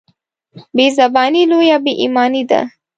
بېزباني لويه بېايماني ده.